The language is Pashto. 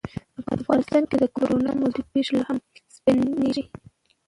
افغانستان کې د کورونا مثبتې پېښې لا هم ثبتېږي.